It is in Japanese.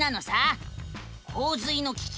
「洪水の危機！